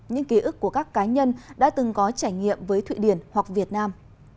những ký ức của các cá nhân đã từng có trải nghiệm với thụy điển hoặc việt nam